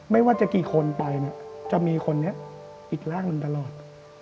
ไม่ว่ากี่คนไปจะมีคนนี้อีกร่างตลอด